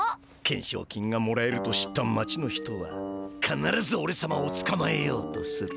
懸賞金がもらえると知った町の人はかならずおれさまをつかまえようとする。